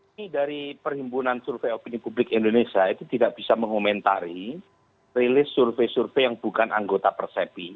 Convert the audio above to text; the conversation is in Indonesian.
ini dari perhimpunan survei opini publik indonesia itu tidak bisa mengomentari rilis survei survei yang bukan anggota persepi